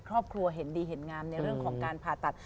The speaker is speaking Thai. ครอบครัวเห็นดีเห็นงามในเรื่องของการผ่าตัด